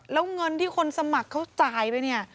แล้วเงินที่คนสมัครเขาจ่ายไปเนี่ย